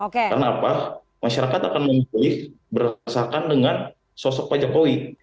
karena apa masyarakat akan memilih berdasarkan dengan sosok pak jokowi